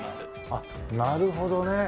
あっなるほどね。